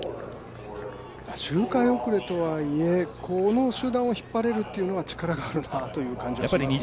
周回後れとはいえこの集団を引っ張れるというのは力があるなという感じがしますね。